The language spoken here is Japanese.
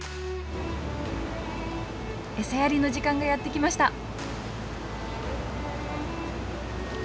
餌やりの時間がやって来ました！